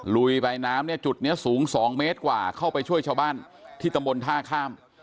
ลุยไปน้ำเนี่ยจุดนี้สูง๒เมตรกว่าเข้าไปช่วยชาวบ้านที่ตำบลท่าข้าม